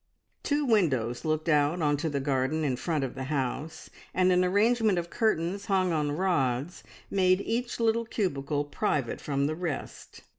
Two windows looked out on to the garden in front of the house, and an arrangement of curtains hung on rods made each little cubicle private from the rest.